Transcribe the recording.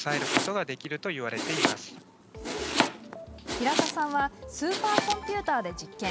平田さんはスーパーコンピューターで実験。